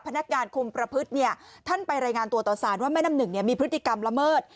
พนักงานคุมประพฤติเนี่ยท่านไปรายงานตัวต่อสารว่าแม่น้ำหนึ่งมีพฤติกรรมละเมิด